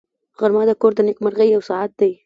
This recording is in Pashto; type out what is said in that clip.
غرمه د کور د نېکمرغۍ یو ساعت دی